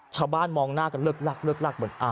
ชาวบ้านมองหน้ากันเลิกลักเลิกลักเหมือน